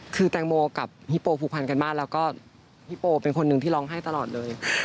คือแตงโมกับฮิโปผูกพันกันมากแล้วก็ฮิโปเป็นคนหนึ่งที่ร้องไห้ตลอดเลย